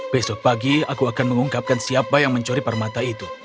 besok pagi aku akan mengungkapkan siapa yang mencuri permata itu